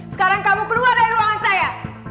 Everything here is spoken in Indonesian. sekarang kamu keluar dari ruangan saya